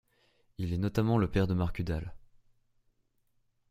Il est notamment le père de Mark Udall.